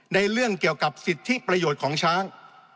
ในเรื่องเกี่ยวกับสิทธิประโยชน์ของช้าง